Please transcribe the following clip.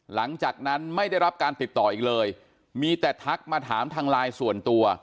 หลังจากนั้นไม่ได้รับการติดต่ออีกเลยมีแต่ทักมาถามทางไลน์ส่วนตัว